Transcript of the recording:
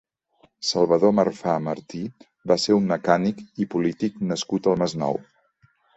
Salvador Marfà Martí va ser un mecànic i polític nascut al Masnou.